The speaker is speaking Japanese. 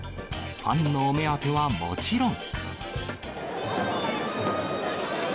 ファンのお目当ては、もちろん。